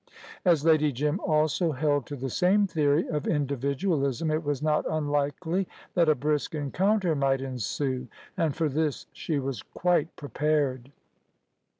As Lady Jim also held to the same theory of individualism, it was not unlikely that a brisk encounter might ensue, and for this she was quite prepared.